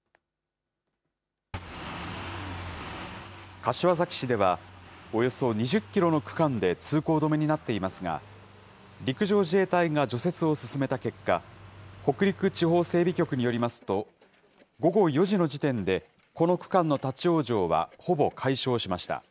柏崎市では、およそ２０キロの区間で通行止めになっていますが、陸上自衛隊が除雪を進めた結果、北陸地方整備局によりますと、午後４時の時点で、この区間の立往生はほぼ解消しました。